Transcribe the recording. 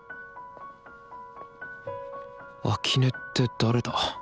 秋音って誰だ？